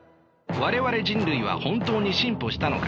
我々人類は本当に進歩したのか。